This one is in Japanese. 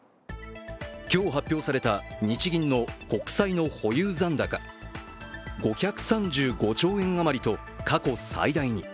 今日、発表された日銀の国債の保有残高５３５兆円余りと過去最大に。